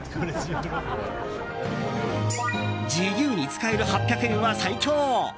自由に使える８００円は最強！